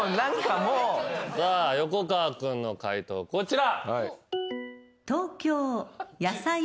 横川君の解答こちら。